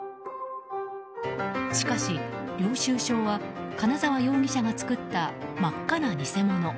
しかし、領収書は金澤容疑者が作った真っ赤な偽物。